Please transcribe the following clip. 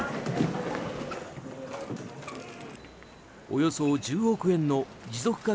およそ１０億円の持続化